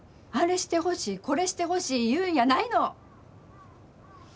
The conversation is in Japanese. あれしてほしいこれしてほしい言うんやないの！